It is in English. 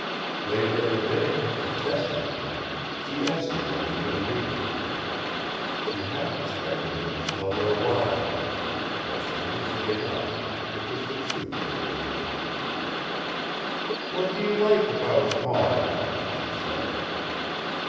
Later in the day, to test him, she asked him what he had been reading. She half expected him to tell her a lie, but, strangely enough, it was the truth that he gave her. "What do you like about 'Maud'?" she said.